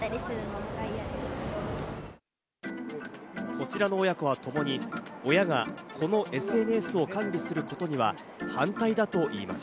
こちらの親子は、ともに親が子のＳＮＳを管理することには反対だといいます。